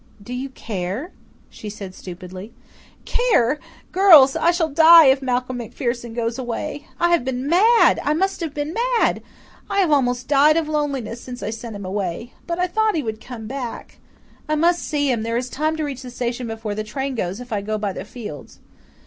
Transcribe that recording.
"Do you care?" she said stupidly. "Care! Girls, I shall DIE if Malcolm MacPherson goes away! I have been mad I must have been mad. I have almost died of loneliness since I sent him away. But I thought he would come back! I must see him there is time to reach the station before the train goes if I go by the fields."